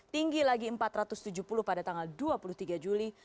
tinggi lagi empat ratus tujuh puluh pada tanggal dua puluh tiga juli